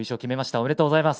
おめでとうございます。